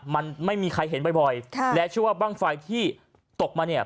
มันไม่มีใครเห็นบ่อยบ่อยค่ะและเชื่อว่าบ้างไฟที่ตกมาเนี่ย